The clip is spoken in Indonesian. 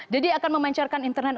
jadi akan memancarkan internet